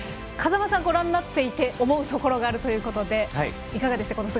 風間さん、ご覧になっていて思うところがあるということでいかがでしたか？